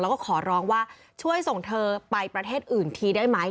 แล้วก็ขอร้องว่าช่วยส่งเธอไปประเทศอื่นทีได้ไหม